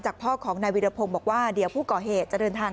พ่อของนายวิรพงศ์บอกว่าเดี๋ยวผู้ก่อเหตุจะเดินทาง